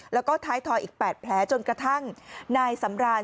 แล้วก็ท้ายทอยอีก๘แผลจนกระทั่งนายสำราน